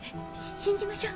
信じましょう。